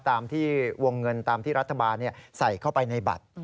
ตามที่วงเงินตามที่รัฐบาลใส่เข้าไปในบัตร